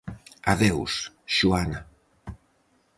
Adeus, Xohana.